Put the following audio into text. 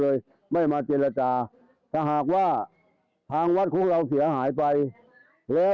เลยไม่มาเจรจาถ้าหากว่าทางวัดของเราเสียหายไปแล้ว